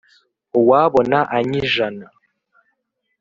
Uwabona anyijana